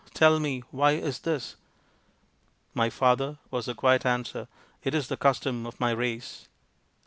tell me, why is this ?"" My father," was the quiet answer, " it is the custom of my race."